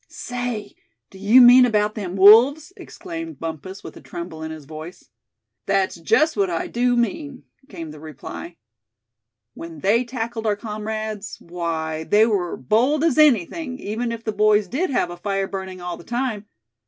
"Say, do you mean about them wolves?" exclaimed Bumpus, with a tremble in his voice. "That's just what I do mean," came the reply "When they tackled our comrades, why they were bold as anything, even if the boys did have a fire burning all the time.